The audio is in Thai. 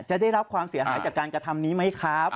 จะได้รับความเสียหายจากการกระทำนี้ไหมครับ